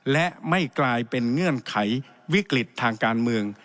และไม่กลายเป็นเงื่อนไขวิกฤตทางการเมือง